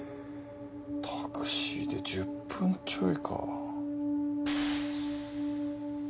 タクシーで１０分ちょいか。